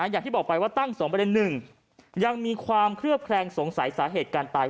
อย่างที่บอกไปว่าตั้ง๒ประเด็น๑ยังมีความเคลือบแคลงสงสัยสาเหตุการตาย